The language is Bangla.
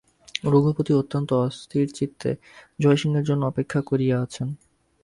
রঘুপতি অত্যন্ত অস্থিরচিত্তে জয়সিংহের জন্য অপেক্ষা করিয়া আছেন।